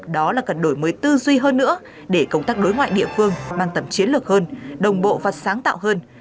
đó là cần đổi mới tư duy hơn nữa để công tác đối ngoại địa phương mang tầm chiến lược hơn đồng bộ và sáng tạo hơn